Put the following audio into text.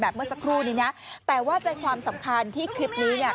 เมื่อสักครู่นี้นะแต่ว่าใจความสำคัญที่คลิปนี้เนี่ย